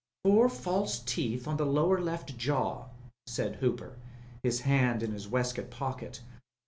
"Four false teeth on the lower left jaw," said Hooper, his hand in his waistcoat pocket.